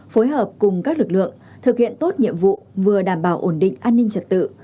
phối hợp cùng các lực lượng thực hiện tốt nhiệm vụ vừa đảm bảo ổn định an ninh trật tự